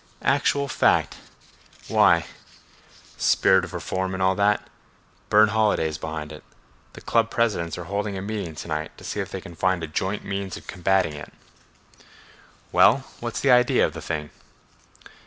"Actual fact!" "Why!" "Spirit of reform and all that. Burne Holiday is behind it. The club presidents are holding a meeting to night to see if they can find a joint means of combating it." "Well, what's the idea of the thing?"